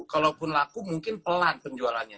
kalaupun laku mungkin pelan penjualannya